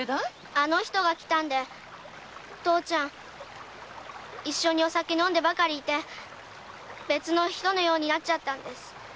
あの人が来たんで父ちゃんは一緒にお酒飲んでばかりいて別の人のようになったんです。